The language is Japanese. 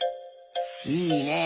いいねえ。